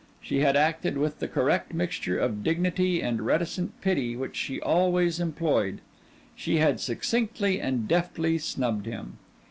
She had acted with that correct mixture of dignity and reticent pity which she always employed. She had succinctly and deftly snubbed him.